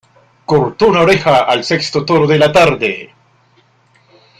Cortó una oreja al sexto toro de la tarde.